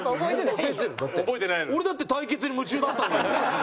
俺だって対決に夢中だったんだもん。